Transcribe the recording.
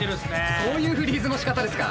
そういうフリーズのしかたですか。